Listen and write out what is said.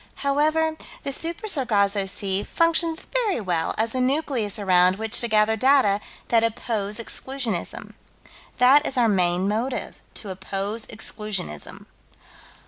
However, the Super Sargasso Sea functions very well as a nucleus around which to gather data that oppose Exclusionism. That is our main motive: to oppose Exclusionism.